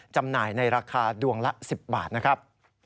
จำหน่ายในราคาดวงละ๑๐บาทนะครับ